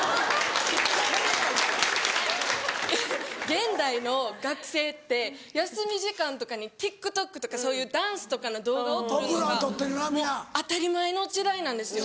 現代の学生って休み時間とかにＴｉｋＴｏｋとかそういうダンスとかの動画を撮るのがもう当たり前の時代なんですよ。